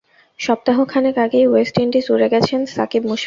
সপ্তাহখানেক আগেই West Indies উড়ে গেছেন সাকিব মুশফিকরা।